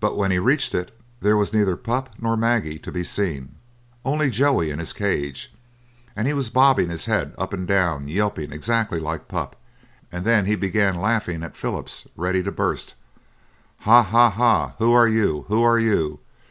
But when he reached it there was neither Pup nor Maggie to be seen, only Joey in his cage, and he was bobbing his head up and down, yelping exactly like the Pup, and then he began laughing at Philip ready to burst, "Ha! Ha! Ha! Who are you? Who are you?